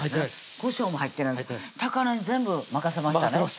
こしょうも入ってない高菜に全部任せましたね